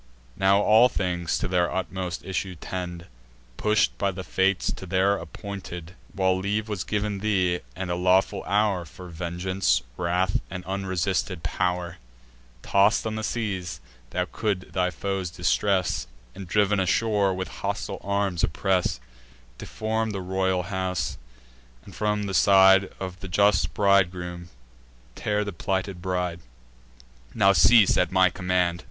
Now all things to their utmost issue tend, Push'd by the Fates to their appointed end. While leave was giv'n thee, and a lawful hour For vengeance, wrath, and unresisted pow'r, Toss'd on the seas, thou couldst thy foes distress, And, driv'n ashore, with hostile arms oppress; Deform the royal house; and, from the side Of the just bridegroom, tear the plighted bride: Now cease at my command."